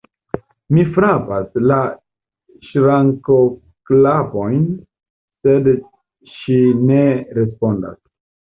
Mi frapas la ŝrankoklapojn, sed ŝi ne respondas.